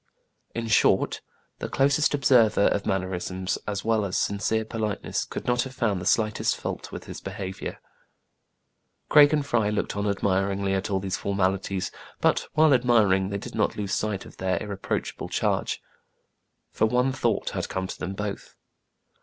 In short, the closest observer of mannerisms as well as sincere politeness could not have found the slightest fault with his behavior. Craig and Fry looked on admiringly at all these formalities : but, while admiring, they did not lose sight of their irreproachable charge ; for one thought had come to them both.